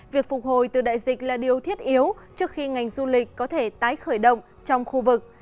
việc phục hồi từ đại dịch là điều thiết yếu trước khi ngành du lịch có thể tái khởi động trong khu vực